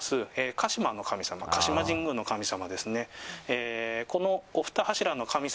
鹿島の神様鹿島神宮の神様。